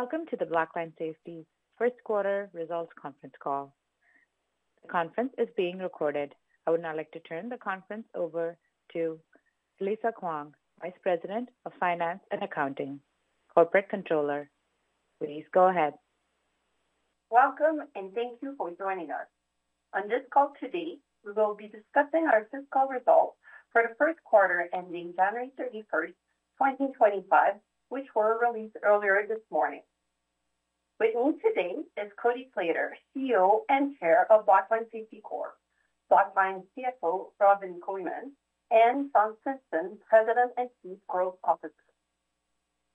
Welcome to the Blackline Safety first quarter results conference call. The conference is being recorded. I would now like to turn the conference over to Elisa Khuong, Vice President of Finance and Accounting, Corporate Controller. Please go ahead. Welcome, and thank you for joining us. On this call today, we will be discussing our fiscal results for the first quarter ending January 31, 2025, which were released earlier this morning. With me today is Cody Slater, CEO and Chair of Blackline Safety, Blackline CFO Robin Kooyman, and Sean Stinson, President and Chief Growth Officer.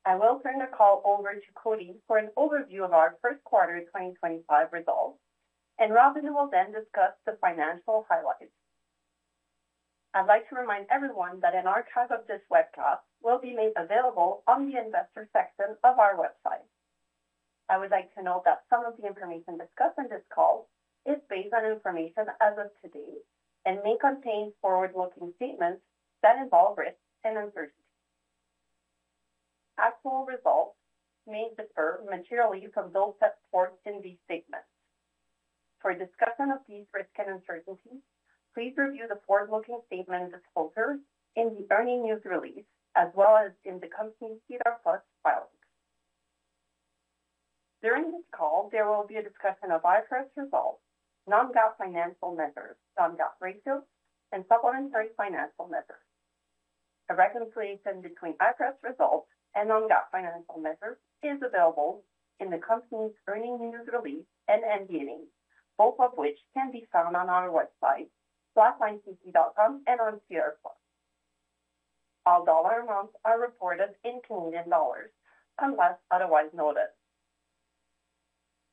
I will turn the call over to Cody for an overview of our first quarter 2025 results, and Robin will then discuss the financial highlights. I'd like to remind everyone that an archive of this webcast will be made available on the investor section of our website. I would like to note that some of the information discussed in this call is based on information as of today and may contain forward-looking statements that involve risks and uncertainties. Actual results may differ materially from those set forth in these statements. For discussion of these risks and uncertainties, please review the forward-looking statement disclosures in the earnings news release as well as in the company SEDAR+ filings. During this call, there will be a discussion of IFRS results, non-GAAP financial measures, non-GAAP ratios, and supplementary financial measures. A reconciliation between IFRS results and non-GAAP financial measures is available in the company's earnings news release and MD&A, both of which can be found on our website, blacklinesafety.com, and on SEDAR+. All dollar amounts are reported in Canadian dollars unless otherwise noted.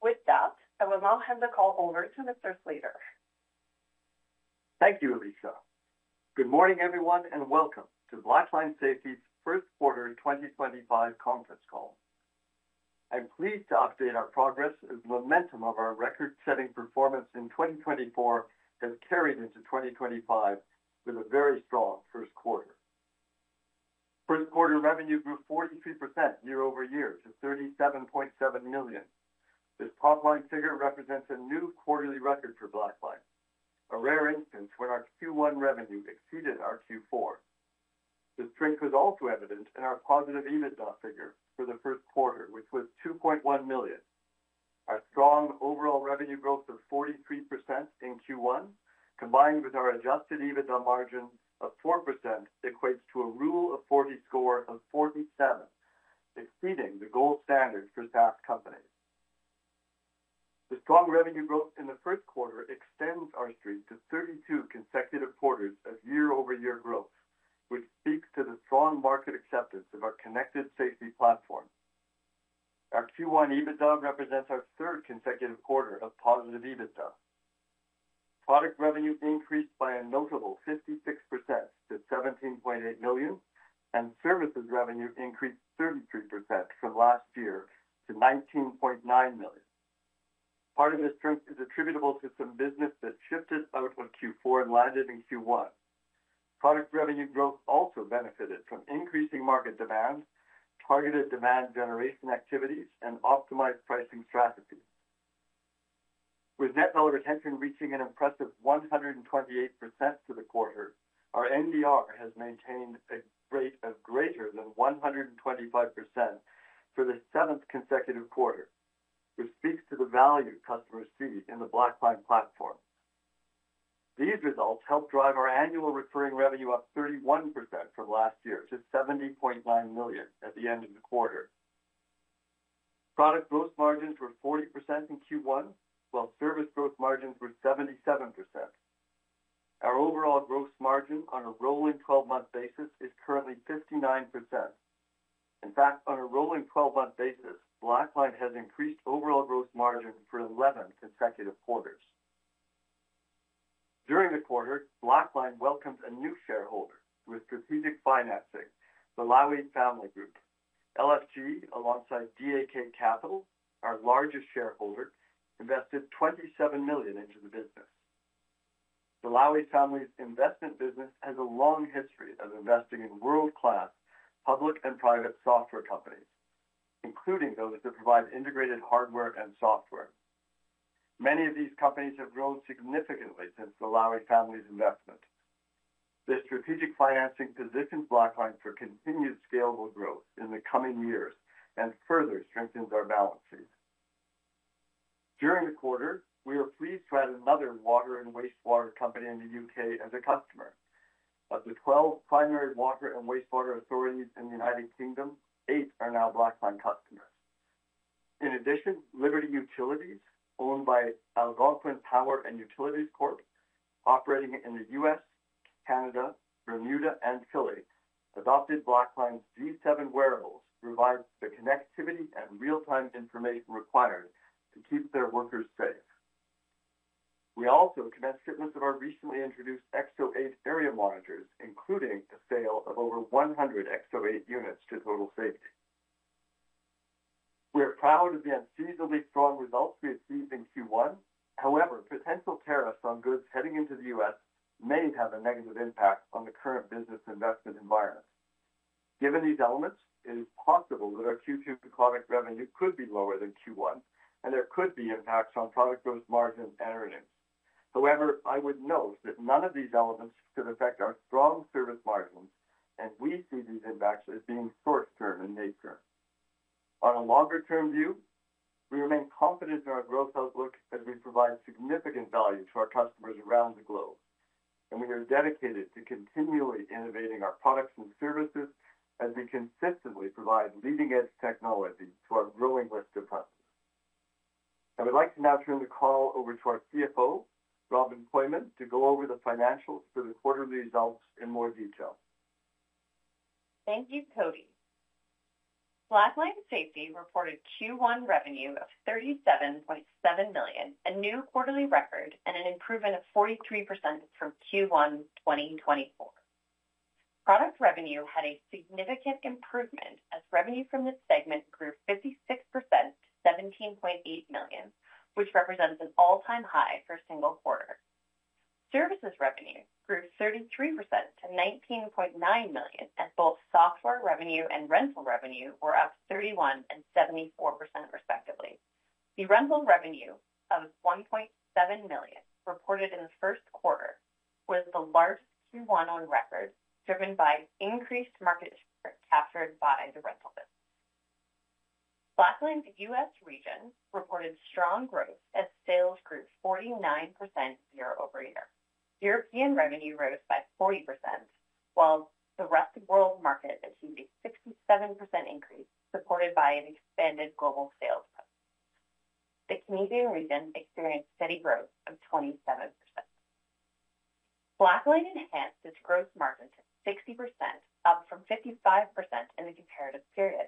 With that, I will now hand the call over to Mr. Slater. Thank you, Elisa. Good morning, everyone, and welcome to Blackline Safety's first quarter 2025 conference call. I'm pleased to update our progress as the momentum of our record-setting performance in 2024 has carried into 2025 with a very strong first quarter. First quarter revenue grew 43% year over year to 37.7 million. This top-line figure represents a new quarterly record for Blackline, a rare instance when our Q1 revenue exceeded our Q4. This strength was also evident in our positive EBITDA figure for the first quarter, which was 2.1 million. Our strong overall revenue growth of 43% in Q1, combined with our adjusted EBITDA margin of 4%, equates to a Rule of 40 score of 47, exceeding the gold standard for SaaS companies. The strong revenue growth in the first quarter extends our streak to 32 consecutive quarters of year-over-year growth, which speaks to the strong market acceptance of our connected safety platform. Our Q1 EBITDA represents our third consecutive quarter of positive EBITDA. Product revenue increased by a notable 56% to 17.8 million, and services revenue increased 33% from last year to 19.9 million. Part of this strength is attributable to some business that shifted out of Q4 and landed in Q1. Product revenue growth also benefited from increasing market demand, targeted demand generation activities, and optimized pricing strategies. With net dollar retention reaching an impressive 128% for the quarter, our NDR has maintained a rate of greater than 125% for the seventh consecutive quarter, which speaks to the value customers see in the Blackline platform. These results helped drive our annual recurring revenue up 31% from last year to 70.9 million at the end of the quarter. Product gross margins were 40% in Q1, while service gross margins were 77%. Our overall gross margin on a rolling 12-month basis is currently 59%. In fact, on a rolling 12-month basis, Blackline has increased overall gross margin for 11 consecutive quarters. During the quarter, Blackline welcomed a new shareholder with strategic financing, the Lowy Family Group. LFG, alongside DAK Capital, our largest shareholder, invested 27 million into the business. The Lowy Family's investment business has a long history of investing in world-class public and private software companies, including those that provide integrated hardware and software. Many of these companies have grown significantly since the Lowy Family's investment. This strategic financing positions Blackline for continued scalable growth in the coming years and further strengthens our balance sheet. During the quarter, we are pleased to add another water and wastewater company in the U.K. as a customer. Of the 12 primary water and wastewater authorities in the United Kingdom, eight are now Blackline customers. In addition, Liberty Utilities, owned by Algonquin Power and Utilities Corp, operating in the U.S., Canada, Bermuda, and Philadelphia, adopted Blackline's G7c wearables, providing the connectivity and real-time information required to keep their workers safe. We also commenced shipments of our recently introduced EXO 8 area monitors, including the sale of over 100 EXO 8 units to Total Safety. We are proud of the unseasonably strong results we achieved in Q1. However, potential tariffs on goods heading into the U.S. may have a negative impact on the current business investment environment. Given these elements, it is possible that our Q2 product revenue could be lower than Q1, and there could be impacts on product gross margins and earnings. However, I would note that none of these elements could affect our strong service margins, and we see these impacts as being short-term in nature. On a longer-term view, we remain confident in our growth outlook as we provide significant value to our customers around the globe, and we are dedicated to continually innovating our products and services as we consistently provide leading-edge technology to our growing list of customers. I would like to now turn the call over to our CFO, Robin Kooyman, to go over the financials for the quarterly results in more detail. Thank you, Cody. Blackline Safety reported Q1 revenue of 37.7 million, a new quarterly record, and an improvement of 43% from Q1 2024. Product revenue had a significant improvement as revenue from this segment grew 56% to 17.8 million, which represents an all-time high for a single quarter. Services revenue grew 33% to 19.9 million, as both software revenue and rental revenue were up 31% and 74%, respectively. The rental revenue of 1.7 million reported in the first quarter was the largest Q1 on record, driven by increased market share captured by the rental business. Blackline's U.S. region reported strong growth as sales grew 49% year over year. European revenue rose by 40%, while the rest of the world market achieved a 67% increase supported by an expanded global sales growth. The Canadian region experienced steady growth of 27%. Blackline enhanced its gross margin to 60%, up from 55% in the comparative period.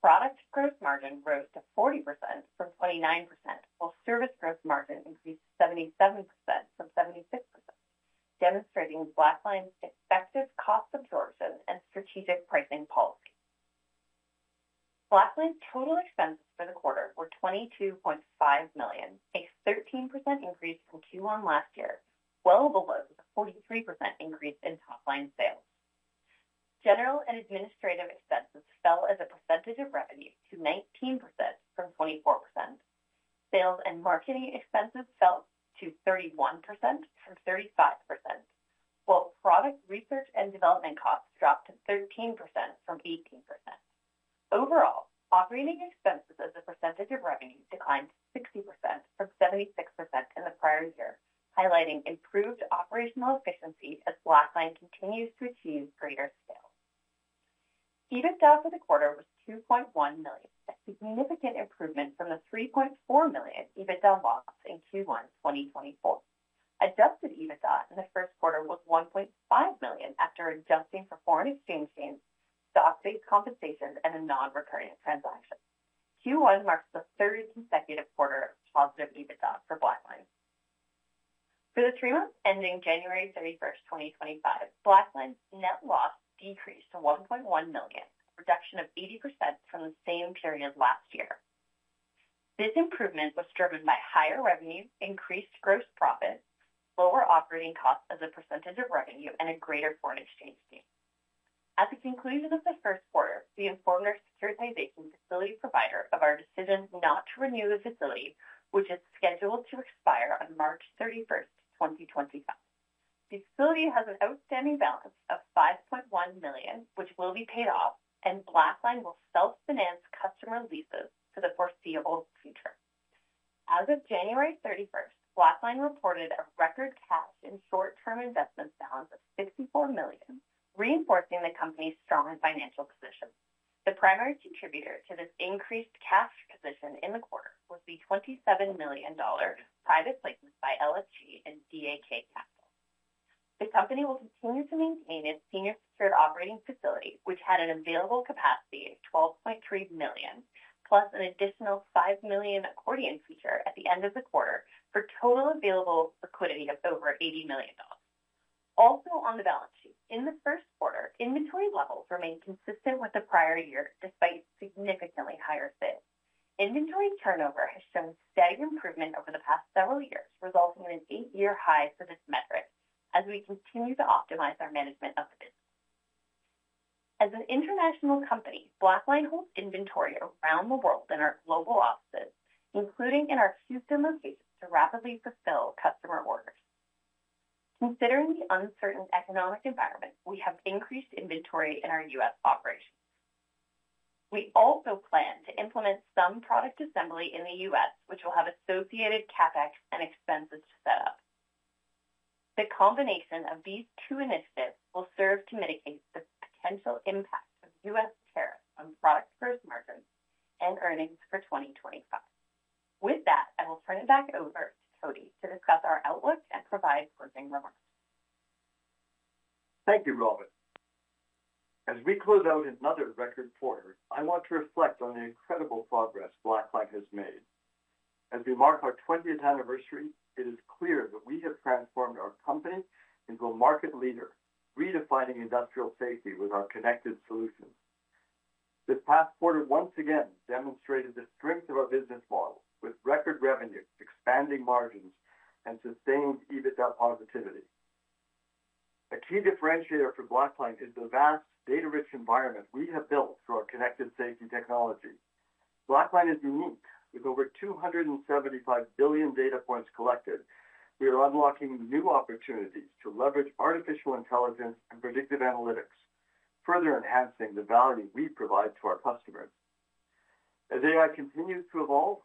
Product gross margin rose to 40% from 29%, while service gross margin increased 77% from 76%, demonstrating Blackline's effective cost absorption and strategic pricing policy. Blackline's total expenses for the quarter were 22.5 million, a 13% increase from Q1 last year, well below the 43% increase in top-line sales. General and administrative expenses fell as a percentage of revenue to 19% from 24%. Sales and marketing expenses fell to 31% from 35%, while product research and development costs dropped to 13% from 18%. Overall, operating expenses as a percentage of revenue declined 60% from 76% in the prior year, highlighting improved operational efficiency as Blackline continues to achieve greater scale. EBITDA for the quarter was 2.1 million, a significant improvement from the 3.4 million EBITDA lost in Q1 2024. Adjusted EBITDA in the first quarter was 1.5 million after adjusting for foreign exchange gains, stock-based compensations, and a non-recurring transaction. Q1 marks the third consecutive quarter of positive EBITDA for Blackline. For the three months ending January 31, 2025, Blackline's net loss decreased to 1.1 million, a reduction of 80% from the same period last year. This improvement was driven by higher revenue, increased gross profits, lower operating costs as a percentage of revenue, and a greater foreign exchange gain. At the conclusion of the first quarter, we informed our securitization facility provider of our decision not to renew the facility, which is scheduled to expire on March 31, 2025. The facility has an outstanding balance of 5.1 million, which will be paid off, and Blackline will self-finance customer leases for the foreseeable future. As of January 31st, Blackline reported a record cash and short-term investment balance of CAD 64 million, reinforcing the company's strong financial position. The primary contributor to this increased cash position in the quarter was the 27 million dollar private placement by LFG and DAK Capital. The company will continue to maintain its senior secured operating facility, which had an available capacity of 12.3 million, plus an additional 5 million accordion feature at the end of the quarter for total available liquidity of over 80 million dollars. Also on the balance sheet, in the first quarter, inventory levels remained consistent with the prior year despite significantly higher sales. Inventory turnover has shown steady improvement over the past several years, resulting in an eight-year high for this metric as we continue to optimize our management of the business. As an international company, Blackline holds inventory around the world in our global offices, including in our Houston locations, to rapidly fulfill customer orders. Considering the uncertain economic environment, we have increased inventory in our U.S. operations. We also plan to implement some product assembly in the U.S., which will have associated CapEx and expenses to set up. The combination of these two initiatives will serve to mitigate the potential impact of U.S. tariffs on product gross margins and earnings for 2025. With that, I will turn it back over to Cody to discuss our outlook and provide closing remarks. Thank you, Robin. As we close out another record quarter, I want to reflect on the incredible progress Blackline has made. As we mark our 20th anniversary, it is clear that we have transformed our company into a market leader, redefining industrial safety with our connected solutions. This past quarter once again demonstrated the strength of our business model, with record revenue, expanding margins, and sustained EBITDA positivity. A key differentiator for Blackline is the vast data-rich environment we have built through our connected safety technology. Blackline is unique. With over 275 billion data points collected, we are unlocking new opportunities to leverage artificial intelligence and predictive analytics, further enhancing the value we provide to our customers. As AI continues to evolve,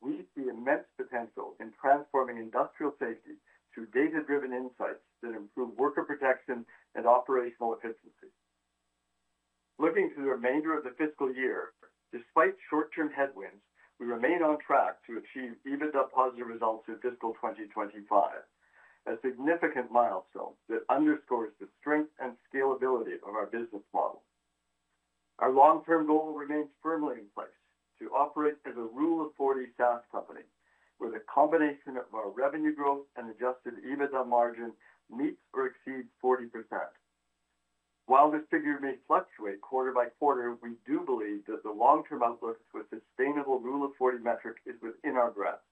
we see immense potential in transforming industrial safety through data-driven insights that improve worker protection and operational efficiency. Looking to the remainder of the fiscal year, despite short-term headwinds, we remain on track to achieve EBITDA positive results in fiscal 2025, a significant milestone that underscores the strength and scalability of our business model. Our long-term goal remains firmly in place to operate as a Rule of 40 SaaS company, where the combination of our revenue growth and adjusted EBITDA margin meets or exceeds 40%. While this figure may fluctuate quarter by quarter, we do believe that the long-term outlook for a sustainable Rule of 40 metric is within our grasp.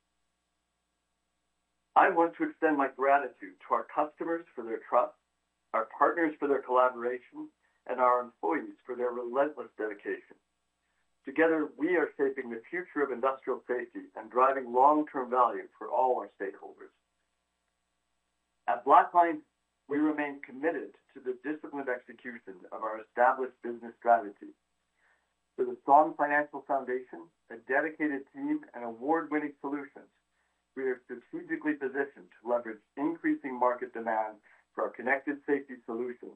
I want to extend my gratitude to our customers for their trust, our partners for their collaboration, and our employees for their relentless dedication. Together, we are shaping the future of industrial safety and driving long-term value for all our stakeholders. At Blackline, we remain committed to the disciplined execution of our established business strategy. With a strong financial foundation, a dedicated team, and award-winning solutions, we are strategically positioned to leverage increasing market demand for our connected safety solutions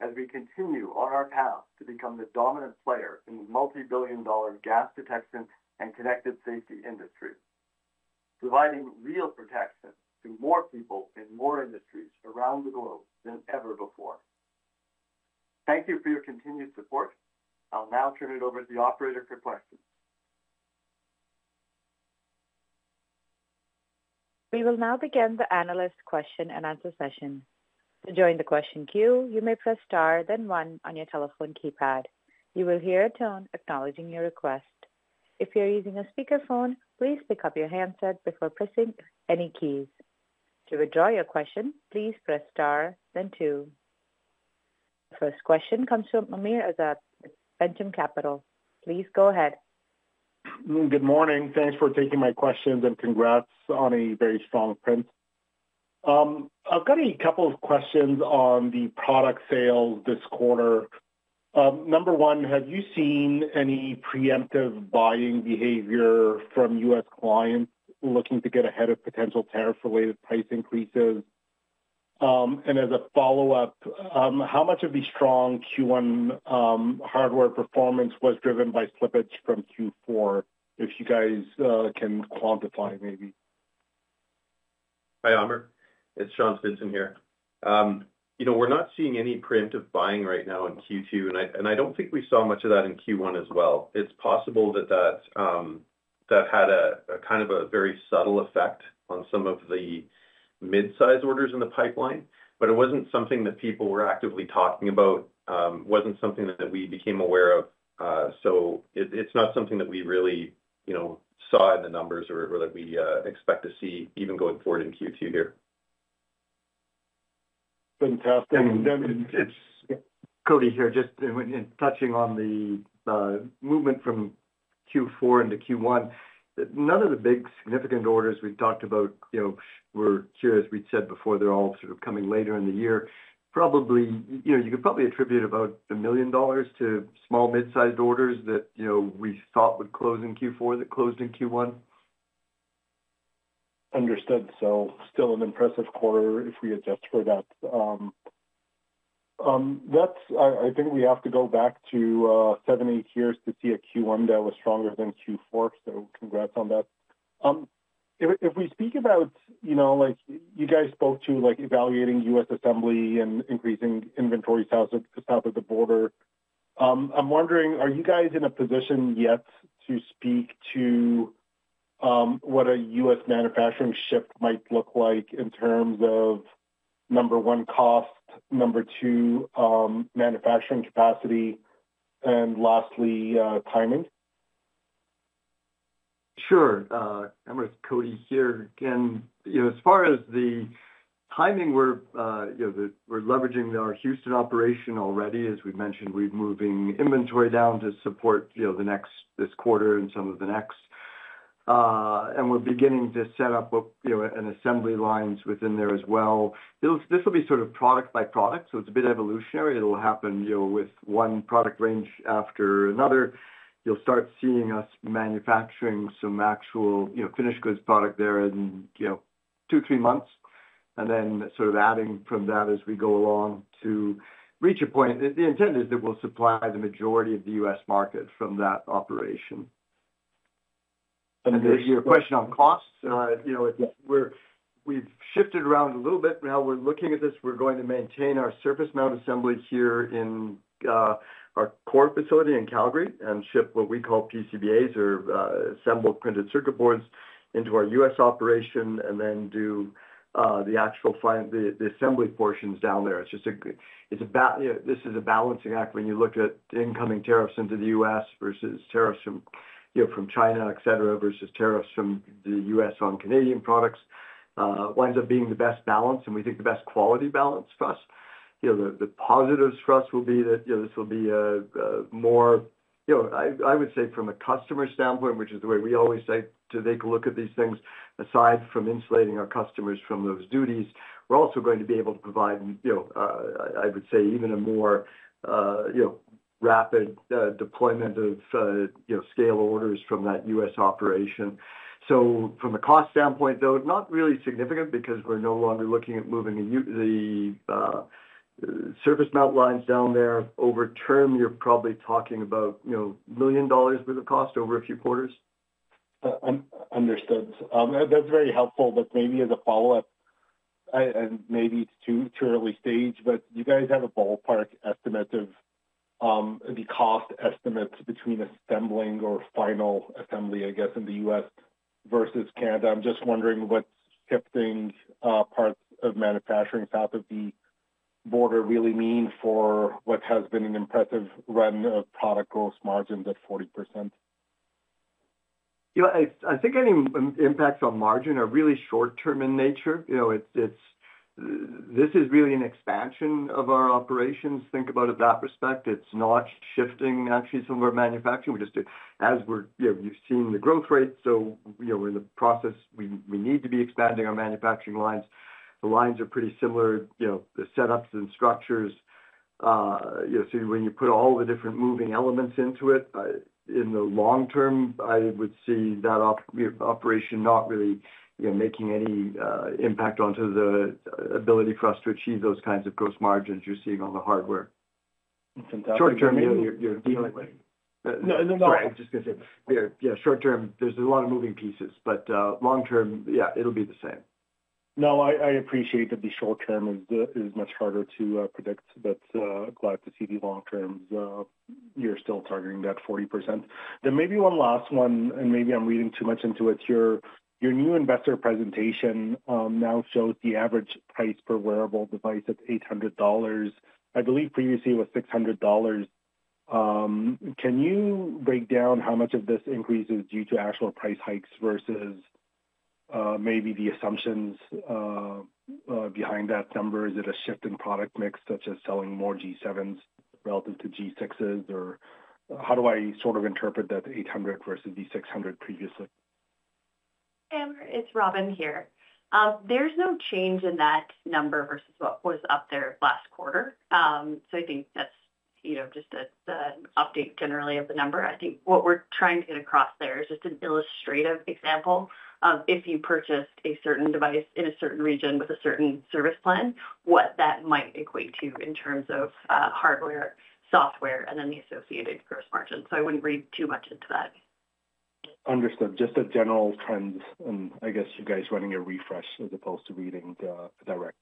as we continue on our path to become the dominant player in the multi-billion dollar gas detection and connected safety industry, providing real protection to more people in more industries around the globe than ever before. Thank you for your continued support. I'll now turn it over to the operator for questions. We will now begin the analyst question-and-answer session. To join the question queue, you may press star, then one on your telephone keypad. You will hear a tone acknowledging your request. If you're using a speakerphone, please pick up your handset before pressing any keys. To withdraw your question, please press star, then two. The first question comes from Amr Ezzat with Ventum Capital. Please go ahead. Good morning. Thanks for taking my questions and congrats on a very strong print. I've got a couple of questions on the product sales this quarter. Number one, have you seen any preemptive buying behavior from U.S. clients looking to get ahead of potential tariff-related price increases? As a follow-up, how much of the strong Q1 hardware performance was driven by slippage from Q4, if you guys can quantify maybe? Hi, Amr. It's Sean Stinson here. You know, we're not seeing any preemptive buying right now in Q2, and I don't think we saw much of that in Q1 as well. It's possible that that had a kind of a very subtle effect on some of the mid-size orders in the pipeline, but it wasn't something that people were actively talking about, wasn't something that we became aware of. So it's not something that we really, you know, saw in the numbers or that we expect to see even going forward in Q2 here. Fantastic. It's Cody here, just touching on the movement from Q4 into Q1. None of the big significant orders we've talked about, you know, we're curious, we'd said before, they're all sort of coming later in the year. Probably, you know, you could probably attribute about $1 million to small mid-sized orders that, you know, we thought would close in Q4 that closed in Q1. Understood. Still an impressive quarter if we adjust for that. I think we have to go back seven, eight years to see a Q1 that was stronger than Q4. Congrats on that. If we speak about, you know, like you guys spoke to, like evaluating U.S. assembly and increasing inventory south of the border, I'm wondering, are you guys in a position yet to speak to what a U.S. manufacturing shift might look like in terms of, number one, cost, number two, manufacturing capacity, and lastly, timing? Sure. I'm with Cody here again. You know, as far as the timing, we're, you know, we're leveraging our Houston operation already. As we mentioned, we're moving inventory down to support, you know, the next this quarter and some of the next. We're beginning to set up, you know, assembly lines within there as well. This will be sort of product by product, so it's a bit evolutionary. It'll happen, you know, with one product range after another. You'll start seeing us manufacturing some actual, you know, finished goods product there in, you know, two, three months, and then sort of adding from that as we go along to reach a point. The intent is that we'll supply the majority of the U.S. market from that operation. Your question on costs, you know, we've shifted around a little bit. Now we're looking at this. We're going to maintain our surface mount assembly here in our core facility in Calgary and ship what we call PCBAs or assembled printed circuit boards into our U.S. operation and then do the actual assembly portions down there. It's just a, this is a balancing act when you look at incoming tariffs into the U.S. versus tariffs from, you know, from China, et cetera, versus tariffs from the U.S. on Canadian products. It winds up being the best balance, and we think the best quality balance for us. You know, the positives for us will be that, you know, this will be a more, you know, I would say from a customer standpoint, which is the way we always say, to take a look at these things. Aside from insulating our customers from those duties, we're also going to be able to provide, you know, I would say even a more, you know, rapid deployment of, you know, scale orders from that U.S. operation. From a cost standpoint, though, not really significant because we're no longer looking at moving the surface mount lines down there. Over term, you're probably talking about, you know, $1 million worth of cost over a few quarters. Understood. That's very helpful, but maybe as a follow-up, and maybe it's too early stage, but you guys have a ballpark estimate of the cost estimates between assembling or final assembly, I guess, in the U.S. versus Canada. I'm just wondering what shifting parts of manufacturing south of the border really mean for what has been an impressive run of product gross margins at 40%. You know, I think any impacts on margin are really short-term in nature. You know, this is really an expansion of our operations. Think about it that respect. It's not shifting actually some of our manufacturing. We just, as we're, you know, you've seen the growth rate. You know, we're in the process. We need to be expanding our manufacturing lines. The lines are pretty similar, you know, the setups and structures, you know, so when you put all the different moving elements into it, in the long term, I would see that operation not really, you know, making any impact onto the ability for us to achieve those kinds of gross margins you're seeing on the hardware. Short term, you're dealing with. No, no, no. I'm just going to say, yeah, short term, there's a lot of moving pieces, but long term, yeah, it'll be the same. No, I appreciate that the short term is much harder to predict, but glad to see the long terms. You're still targeting that 40%. Then maybe one last one, and maybe I'm reading too much into it. Your new investor presentation now shows the average price per wearable device at 800 dollars. I believe previously it was 600 dollars. Can you break down how much of this increase is due to actual price hikes versus maybe the assumptions behind that number? Is it a shift in product mix such as selling more G7s relative to G6s, or how do I sort of interpret that 800 versus the 600 previously? Hey, Amr, it's Robin here. There's no change in that number versus what was up there last quarter. I think that's, you know, just an update generally of the number. I think what we're trying to get across there is just an illustrative example of if you purchased a certain device in a certain region with a certain service plan, what that might equate to in terms of hardware, software, and then the associated gross margin. I wouldn't read too much into that. Understood. Just a general trend, and I guess you guys running a refresh as opposed to reading direct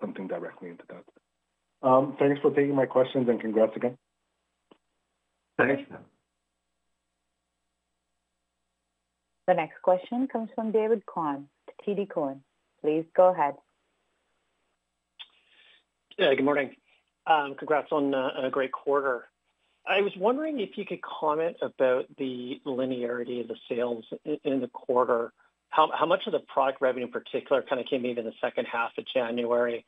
something directly into that. Thanks for taking my questions and congrats again. Thanks. The next question comes from David Kwan, TD Cowen. Please go ahead. Yeah, good morning. Congrats on a great quarter. I was wondering if you could comment about the linearity of the sales in the quarter. How much of the product revenue in particular kind of came in in the second half of January?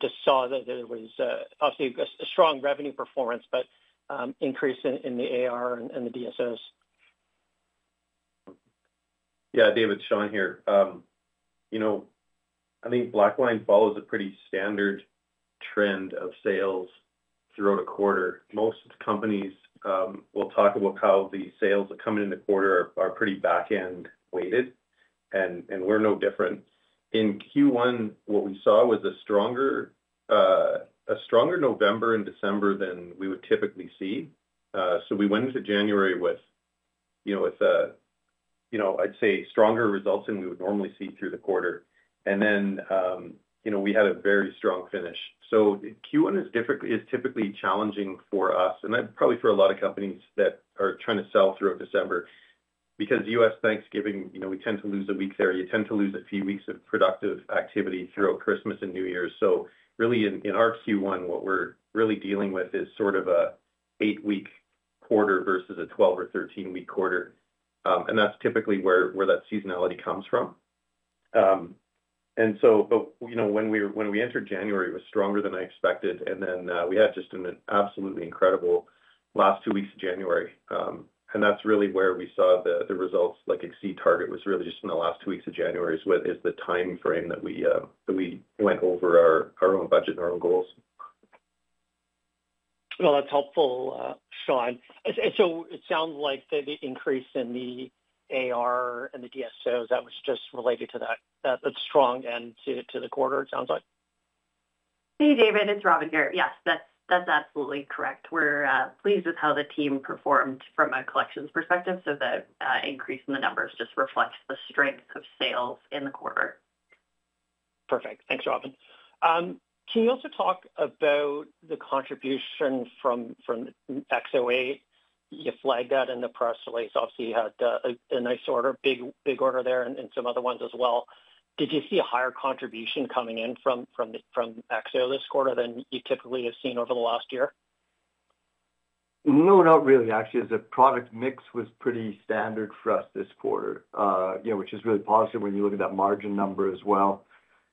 Just saw that there was obviously a strong revenue performance, but increase in the AR and the DSOs. Yeah, David, Sean here. I think Blackline follows a pretty standard trend of sales throughout a quarter. Most companies will talk about how the sales that come in the quarter are pretty back-end weighted, and we're no different. In Q1, what we saw was a stronger November and December than we would typically see. We went into January with, you know, I'd say stronger results than we would normally see through the quarter. You know, we had a very strong finish. Q1 is typically challenging for us, and probably for a lot of companies that are trying to sell throughout December because U.S. Thanksgiving, you know, we tend to lose a week there. You tend to lose a few weeks of productive activity throughout Christmas and New Year's. Really in our Q1, what we're really dealing with is sort of an eight-week quarter versus a 12 or 13-week quarter. That's typically where that seasonality comes from. You know, when we entered January, it was stronger than I expected. We had just an absolutely incredible last two weeks of January. That's really where we saw the results like exceed target, was really just in the last two weeks of January, is the time frame that we went over our own budget and our own goals. That's helpful, Sean. It sounds like the increase in the AR and the DSOs was just related to that strong end to the quarter, it sounds like. Hey, David, it's Robin here. Yes, that's absolutely correct. We're pleased with how the team performed from a collections perspective. The increase in the numbers just reflects the strength of sales in the quarter. Perfect. Thanks, Robin. Can you also talk about the contribution from EXO 8, you flagged that in the press release. Obviously, you had a nice order, big order there and some other ones as well. Did you see a higher contribution coming in from EXO this quarter than you typically have seen over the last year? No, not really. Actually, the product mix was pretty standard for us this quarter, you know, which is really positive when you look at that margin number as well,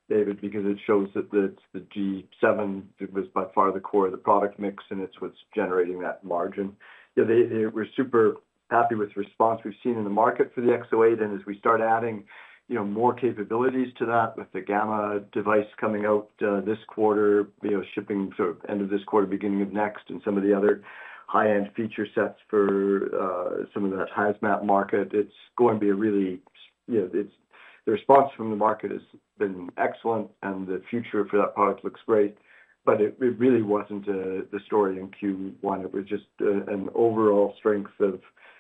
David, because it shows that the G7 was by far the core of the product mix and it's what's generating that margin. You know, we're super happy with the response we've seen in the market for the EXO 8. And as we start adding, you know, more capabilities to that with the Gamma device coming out this quarter, you know, shipping sort of end of this quarter, beginning of next, and some of the other high-end feature sets for some of that hazmat market, it's going to be a really, you know, the response from the market has been excellent and the future for that product looks great. It really wasn't the story in Q1. It was just an overall strength of,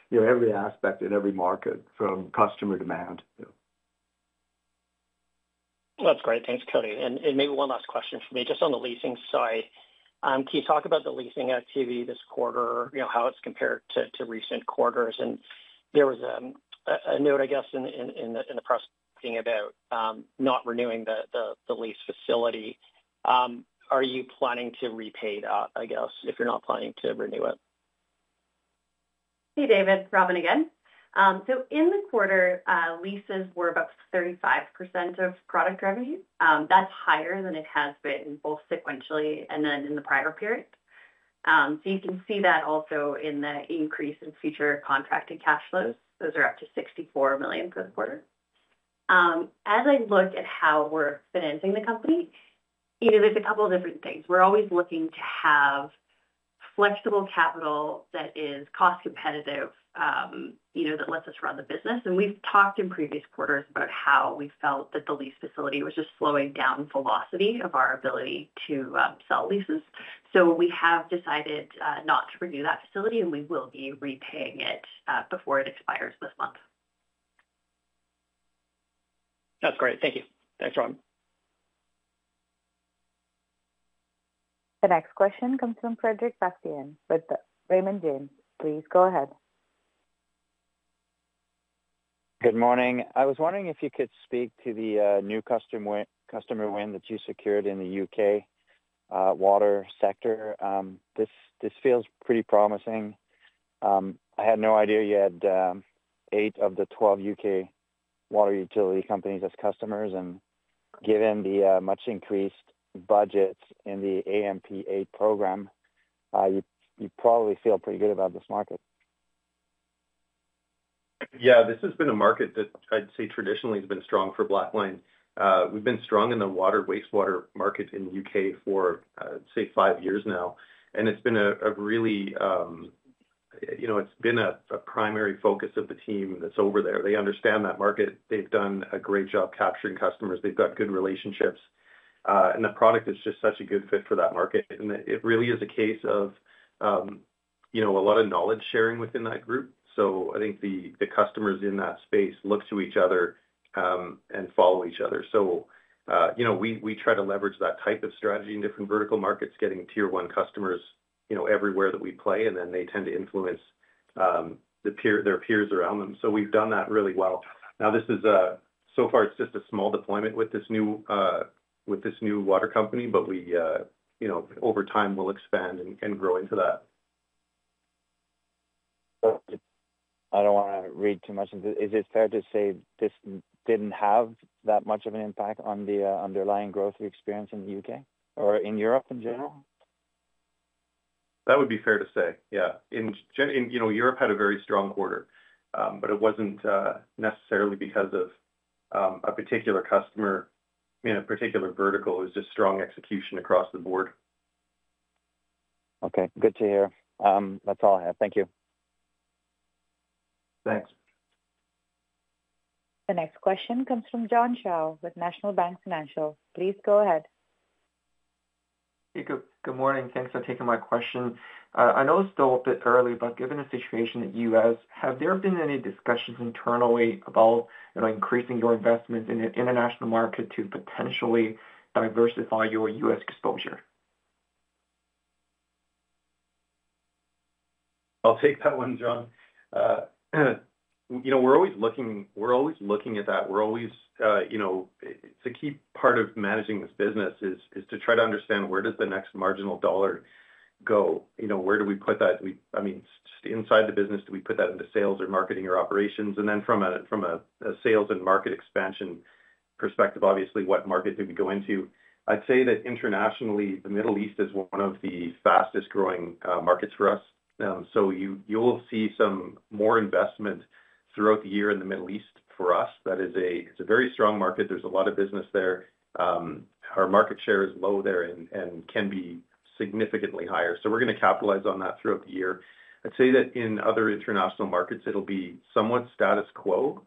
you know, every aspect in every market from customer demand. That's great. Thanks, Cody. Maybe one last question for me, just on the leasing side. Can you talk about the leasing activity this quarter, you know, how it's compared to recent quarters? There was a note, I guess, in the press thing about not renewing the lease facility. Are you planning to repay that, I guess, if you're not planning to renew it? Hey, David, Robin again. In the quarter, leases were about 35% of product revenue. That is higher than it has been both sequentially and in the prior period. You can see that also in the increase in future contracting cash flows. Those are up to 64 million for the quarter. As I look at how we are financing the company, you know, there are a couple of different things. We are always looking to have flexible capital that is cost competitive, you know, that lets us run the business. We have talked in previous quarters about how we felt that the lease facility was just slowing down the velocity of our ability to sell leases. We have decided not to renew that facility and we will be repaying it before it expires this month. That's great. Thank you. Thanks, Robin. The next question comes from Frédéric Bastien with Raymond James. Please go ahead. Good morning. I was wondering if you could speak to the new customer win that you secured in the U.K. water sector. This feels pretty promising. I had no idea you had eight of the 12 U.K. water utility companies as customers. Given the much increased budgets in the AMP8 program, you probably feel pretty good about this market. Yeah, this has been a market that I'd say traditionally has been strong for Blackline. We've been strong in the water wastewater market in the U.K. for, say, five years now. It's been a really, you know, it's been a primary focus of the team that's over there. They understand that market. They've done a great job capturing customers. They've got good relationships. The product is just such a good fit for that market. It really is a case of, you know, a lot of knowledge sharing within that group. I think the customers in that space look to each other and follow each other. You know, we try to leverage that type of strategy in different vertical markets, getting tier one customers, you know, everywhere that we play, and then they tend to influence their peers around them. We've done that really well. Now, this is, so far, it's just a small deployment with this new water company, but we, you know, over time, we'll expand and grow into that. I don't want to read too much. Is it fair to say this didn't have that much of an impact on the underlying growth we experience in the U.K. or in Europe in general? That would be fair to say. Yeah. You know, Europe had a very strong quarter, but it was not necessarily because of a particular customer, I mean, a particular vertical. It was just strong execution across the board. Okay. Good to hear. That's all I have. Thank you. Thanks. The next question comes from John Shao with National Bank Financial. Please go ahead. Hey, good morning. Thanks for taking my question. I know it's still a bit early, but given the situation at U.S., have there been any discussions internally about, you know, increasing your investments in the international market to potentially diversify your U.S. exposure? I'll take that one, John. You know, we're always looking, we're always looking at that. We're always, you know, it's a key part of managing this business is to try to understand where does the next marginal dollar go? You know, where do we put that? I mean, inside the business, do we put that into sales or marketing or operations? From a sales and market expansion perspective, obviously, what market do we go into? I'd say that internationally, the Middle East is one of the fastest growing markets for us. You'll see some more investment throughout the year in the Middle East for us. That is a very strong market. There's a lot of business there. Our market share is low there and can be significantly higher. We're going to capitalize on that throughout the year. I'd say that in other international markets, it'll be somewhat status quo.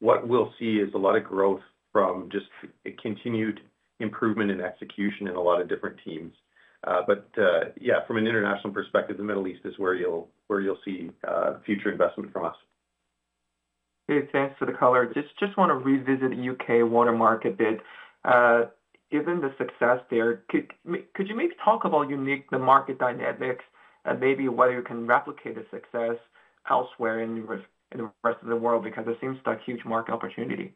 What we'll see is a lot of growth from just continued improvement and execution in a lot of different teams. Yeah, from an international perspective, the Middle East is where you'll see future investment from us. Hey, thanks for the color. Just want to revisit the U.K. water market bit. Given the success there, could you maybe talk about unique market dynamics and maybe whether you can replicate the success elsewhere in the rest of the world because it seems like a huge market opportunity?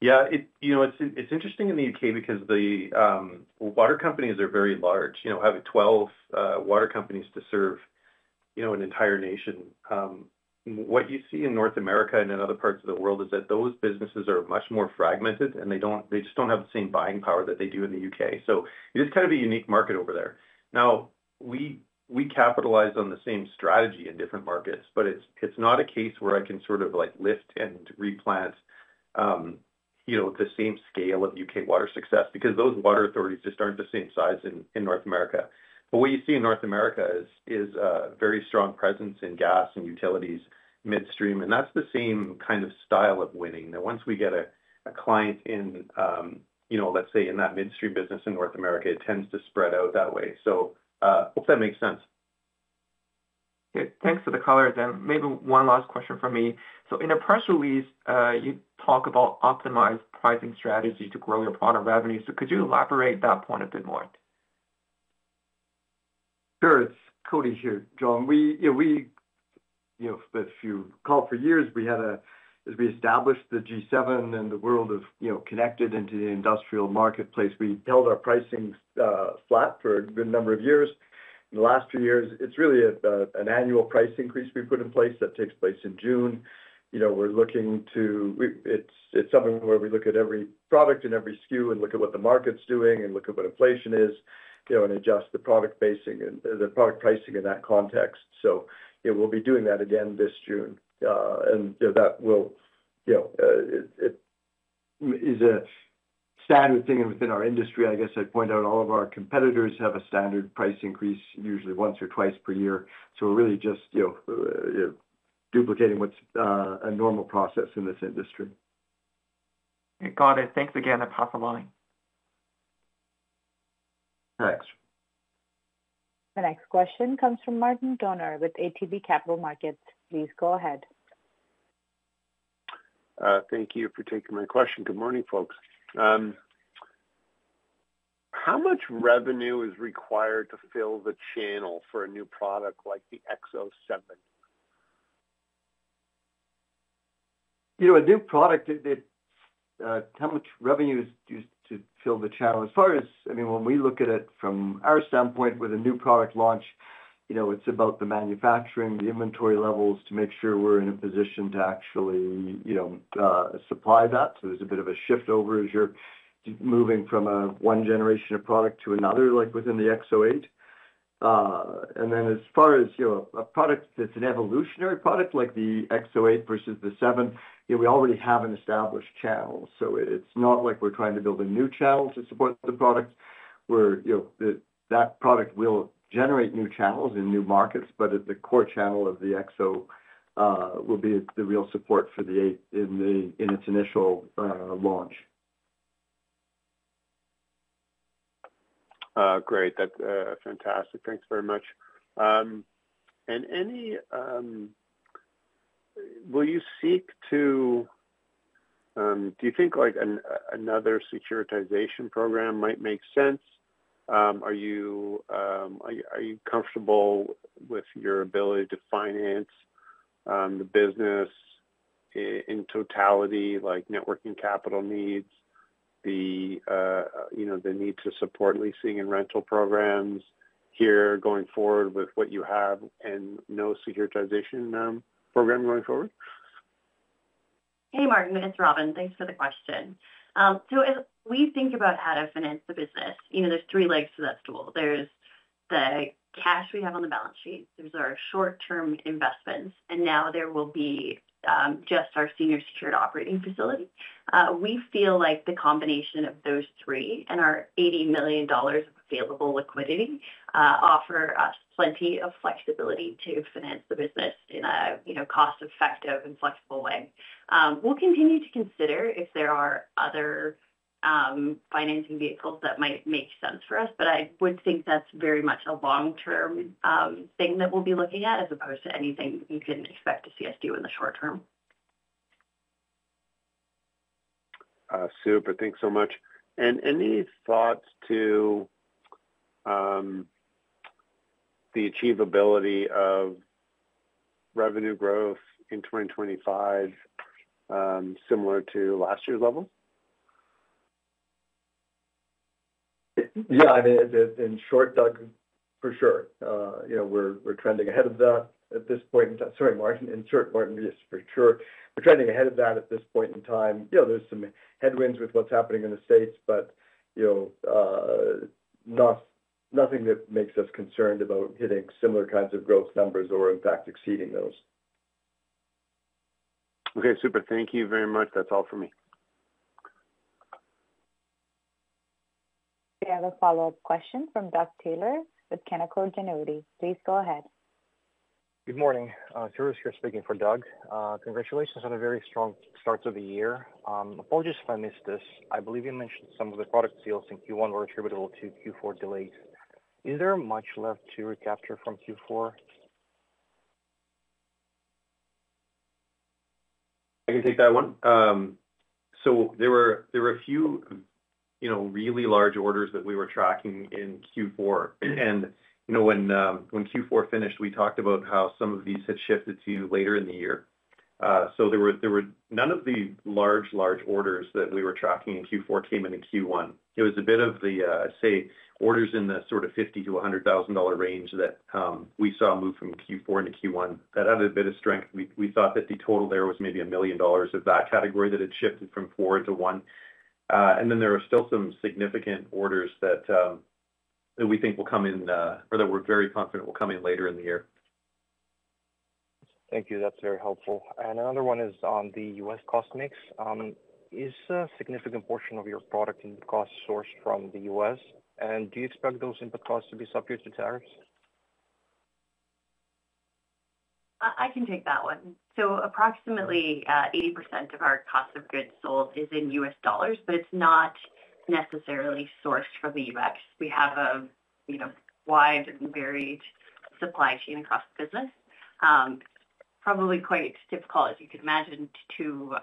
Yeah, you know, it's interesting in the U.K. because the water companies are very large, you know, having 12 water companies to serve, you know, an entire nation. What you see in North America and in other parts of the world is that those businesses are much more fragmented and they just don't have the same buying power that they do in the U.K. It is kind of a unique market over there. Now, we capitalize on the same strategy in different markets, but it's not a case where I can sort of like lift and replant, you know, the same scale of U.K. water success because those water authorities just aren't the same size in North America. What you see in North America is a very strong presence in gas and utilities midstream. That's the same kind of style of winning. Now, once we get a client in, you know, let's say in that midstream business in North America, it tends to spread out that way. Hope that makes sense. Okay. Thanks for the color. Maybe one last question from me. In a press release, you talk about optimized pricing strategy to grow your product revenue. Could you elaborate that point a bit more? Sure. It's Cody here, John. We, you know, if you recall for years, we had a, as we established the G7 and the world of, you know, connected into the industrial marketplace, we held our pricing flat for a good number of years. In the last few years, it's really an annual price increase we put in place that takes place in June. You know, we're looking to, it's something where we look at every product and every SKU and look at what the market's doing and look at what inflation is, you know, and adjust the product pricing in that context. We will be doing that again this June. That will, you know, it is a standard thing within our industry. I guess I'd point out all of our competitors have a standard price increase usually once or twice per year. We're really just, you know, duplicating what's a normal process in this industry. Got it. Thanks again and pass the line. Thanks. The next question comes from Martin Toner with ATB Capital Markets. Please go ahead. Thank you for taking my question. Good morning, folks. How much revenue is required to fill the channel for a new product like the EXO 7? You know, a new product, how much revenue is used to fill the channel? As far as, I mean, when we look at it from our standpoint with a new product launch, you know, it's about the manufacturing, the inventory levels to make sure we're in a position to actually, you know, supply that. So there's a bit of a shift over as you're moving from one generation of product to another, like within the EXO 8. And then as far as, you know, a product that's an evolutionary product like the EXO 8 versus the EXO 7, you know, we already have an established channel. So it's not like we're trying to build a new channel to support the product. We're, you know, that product will generate new channels in new markets, but the core channel of the EXO will be the real support for the EXO 8 in its initial launch. Great. That's fantastic. Thanks very much. Will you seek to, do you think like another securitization program might make sense? Are you comfortable with your ability to finance the business in totality, like networking capital needs, the, you know, the need to support leasing and rental programs here going forward with what you have and no securitization program going forward? Hey, Martin, it's Robin. Thanks for the question. As we think about how to finance the business, you know, there's three legs to that stool. There's the cash we have on the balance sheet. There's our short-term investments. Now there will be just our senior secured operating facility. We feel like the combination of those three and our 80 million dollars of available liquidity offers us plenty of flexibility to finance the business in a, you know, cost-effective and flexible way. We'll continue to consider if there are other financing vehicles that might make sense for us, but I would think that's very much a long-term thing that we'll be looking at as opposed to anything you can expect to see us do in the short term. Super. Thanks so much. Any thoughts to the achievability of revenue growth in 2025 similar to last year's levels? Yeah, I mean, in short, Doug, for sure. You know, we're trending ahead of that at this point in time. Sorry, Martin. In short, Martin, yes, for sure. We're trending ahead of that at this point in time. You know, there's some headwinds with what's happening in the States, but, you know, nothing that makes us concerned about hitting similar kinds of growth numbers or, in fact, exceeding those. Okay. Super thank you very much. That's all for me. We have a follow-up question from Doug Taylor with Canaccord Genuity. Please go ahead. Good morning. Firuz here speaking for Doug. Congratulations on a very strong start to the year. Apologies if I missed this. I believe you mentioned some of the product deals in Q1 were attributable to Q4 delays. Is there much left to recapture from Q4? I can take that one. There were a few, you know, really large orders that we were tracking in Q4. You know, when Q4 finished, we talked about how some of these had shifted to later in the year. None of the large, large orders that we were tracking in Q4 came into Q1. It was a bit of the, I'd say, orders in the sort of 50,000-100,000 dollar range that we saw move from Q4 into Q1. That had a bit of strength. We thought that the total there was maybe 1 million dollars of that category that had shifted from four into one. There are still some significant orders that we think will come in or that we're very confident will come in later in the year. Thank you. That's very helpful. Another one is on the U.S. cost mix. Is a significant portion of your product input cost sourced from the U.S.? Do you expect those input costs to be subject to tariffs? I can take that one. Approximately 80% of our cost of goods sold is in U.S. dollars, but it's not necessarily sourced from the U.S.. We have a, you know, wide and varied supply chain across the business. Probably quite difficult, as you could imagine, to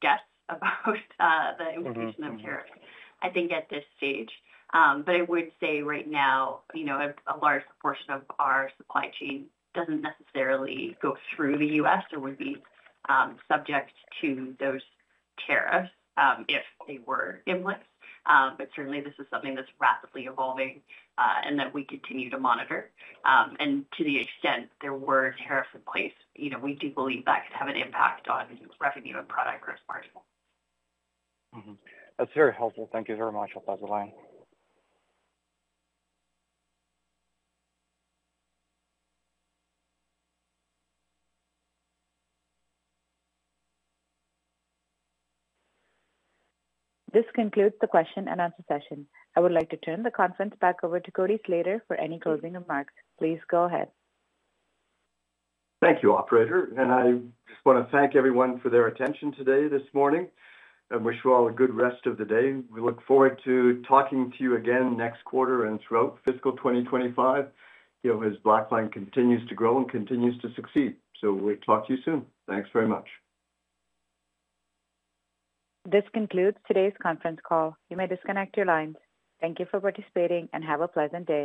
guess about the implication of tariffs, I think, at this stage. I would say right now, you know, a large portion of our supply chain doesn't necessarily go through the U.S. or would be subject to those tariffs if they were in place. Certainly, this is something that's rapidly evolving and that we continue to monitor. To the extent there were tariffs in place, you know, we do believe that could have an impact on revenue and product growth margin. That's very helpful. Thank you very much. I'll pass the line. This concludes the question-and-answer session. I would like to turn the conference back over to Cody Slater for any closing remarks. Please go ahead. Thank you, operator. I just want to thank everyone for their attention today, this morning. I wish you all a good rest of the day. We look forward to talking to you again next quarter and throughout fiscal 2025, you know, as Blackline continues to grow and continues to succeed. We will talk to you soon. Thanks very much. This concludes today's conference call. You may disconnect your lines. Thank you for participating and have a pleasant day.